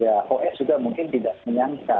ya os juga mungkin tidak menyangka